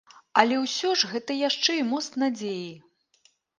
Але ўсё ж гэта яшчэ і мост надзеі.